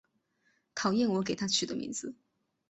讨厌我给她取的名字